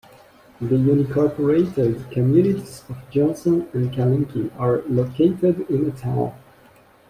The unincorporated communities of Johnson and Kalinke are located in the town.